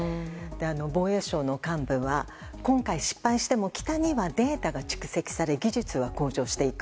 防衛省の幹部は今回、失敗しても北にはデータが蓄積され技術は向上していく。